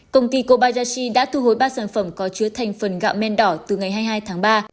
công ty kobayashi đã thu hồi ba sản phẩm có chứa thành phần gạo men đỏ từ ngày hai mươi hai tháng ba